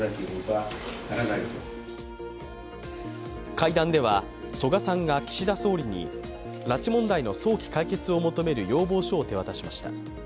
会談では、曽我さんが岸田総理に拉致問題の早期解決を求める要望書を手渡しました。